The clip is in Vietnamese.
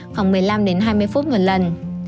khoảng một mươi năm hai mươi phút một lần